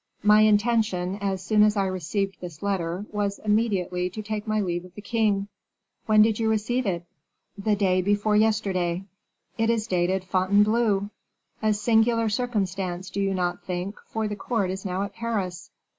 "My intention, as soon as I received this letter, was immediately to take my leave of the king." "When did you receive it?" "The day before yesterday." "It is dated Fontainebleau." "A singular circumstance, do you not think, for the court is now at Paris?